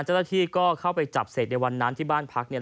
เจ้าหน้าที่ก็เข้าไปจับเสกในวันนั้นที่บ้านพักเนี่ย